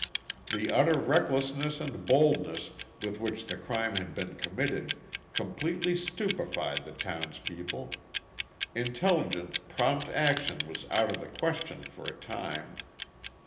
The utter recklessness and boldness with which the crime had been committed completely stupefied the townspeople. Intelligent, prompt action was out of the question for a time.